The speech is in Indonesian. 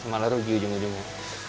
jangan rugi jenguk jenguk